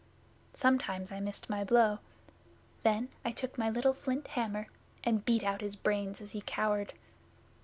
Sometimes I missed my blow. Then I took my little flint hammer and beat out his brains as he cowered.